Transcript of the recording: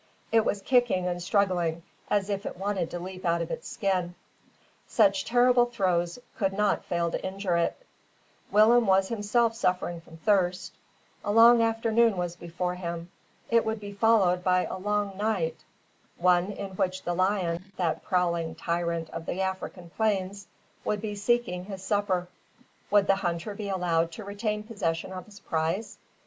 It was kicking and struggling as if it wanted to leap out of its skin. Such terrible throes could not fail to injure it. Willem was himself suffering from thirst. A long afternoon was before him. It would be followed by a long night, one in which the lion, that prowling tyrant of the African plains, would be seeking his supper. Would the hunter be allowed to retain possession of his prize?